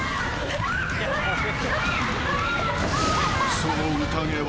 ［その宴は］